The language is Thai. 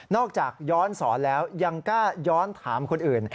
อกจากย้อนสอนแล้วยังกล้าย้อนถามคนอื่น